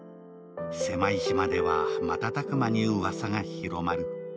狭い島では瞬く間にうわさが広まる。